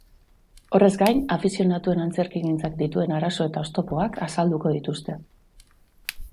Horrez gain, afizionatuen antzerkigintzak dituen arazo eta oztopoak azalduko dituzte.